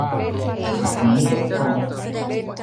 เถียงคำไม่ตกฟาก